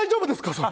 それ。